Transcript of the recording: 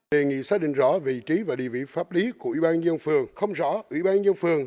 đề nghị xác định rõ vị trí và địa vị pháp lý của ủy ban nhân phường không rõ ủy ban nhân phường